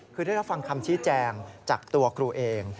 คือได้รับฟังคำชี้แจงจากตัวครูเอง